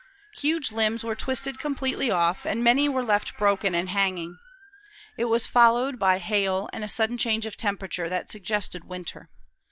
Huge limbs were twisted completely off, and many were left broken and hanging. It was followed by hail and a sudden change of temperature, that suggested winter.